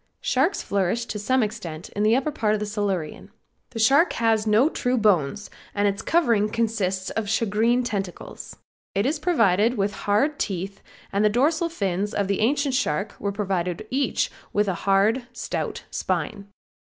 Sharks flourished to some extent in the upper part of the Silurian. The shark has no true bones and its covering consists of shagreen tentacles. It is provided with hard teeth and the dorsal fins of the ancient shark were provided each with a hard, stout spine.